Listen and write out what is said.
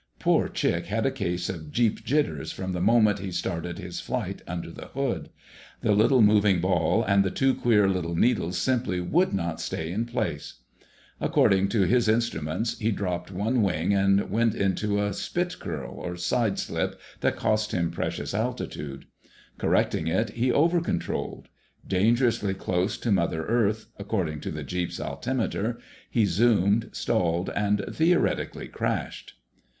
Poor Chick had a case of "Jeep jitters" from the moment he started his "flight" under the hood. The little moving ball and the two queer little needles simply would not stay in place. According to his instruments he dropped one wing and went into a "spit curl" or side slip that cost him precious altitude. Correcting it, he over controlled. Dangerously close to Mother Earth, according to the Jeep's altimeter, he zoomed, stalled, and theoretically crashed.